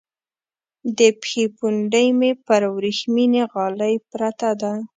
د پښې پونډۍ مو پر ورېښمینې غالی پرته ده.